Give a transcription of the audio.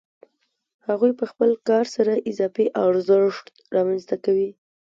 هغوی په خپل کار سره اضافي ارزښت رامنځته کوي